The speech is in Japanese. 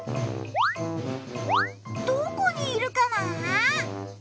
どこにいるかな？